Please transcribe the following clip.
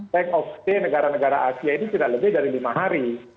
bank of stay negara negara asia ini tidak lebih dari lima hari